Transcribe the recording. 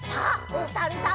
おさるさん。